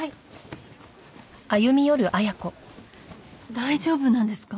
大丈夫なんですか？